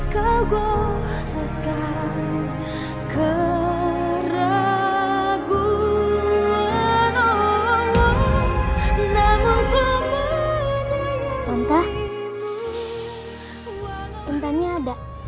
tante intannya ada